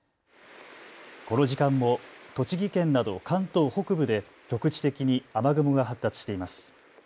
この時間も、栃木県など関東北部で局地的に雨雲が発達しています。